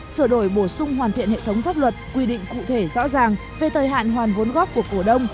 sửa đổi bổ sung hoàn thiện hệ thống pháp luật quy định cụ thể rõ ràng về thời hạn hoàn vốn góp của cổ đông